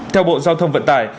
theo bộ giao thông vận tải